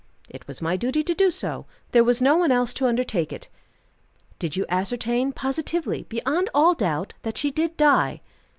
"It was my duty to do so. There was no one else to undertake it." "Did you ascertain positively, beyond all doubt, that she did die?"